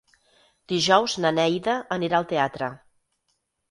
Dijous na Neida anirà al teatre.